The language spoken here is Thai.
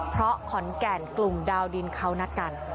เพราะขอนแก่นกลุ่มดาวดินเขานัดกัน